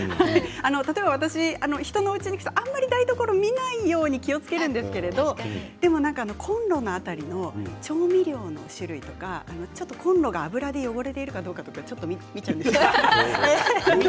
例えば、私人のうちに行くとあまり台所を見ないように気をつけるんですけどでもコンロの辺りの調味料の種類とかコンロが油で汚れてるかどうかちょっと見ちゃうんです。